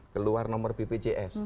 keluar nomor bpjs